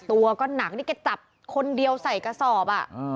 ตัวก็หนักนี่แกจับคนเดียวใส่กระสอบ